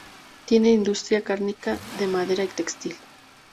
Tiene industria cárnica, de madera y textil.